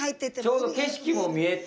ちょうど景色も見えて。